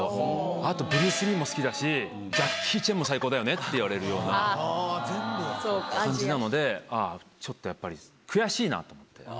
「あとブルース・リーも好きだしジャッキー・チェンも最高だよね」って言われるような感じなのでちょっとやっぱり悔しいなと思って。